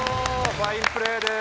ファインプレーです。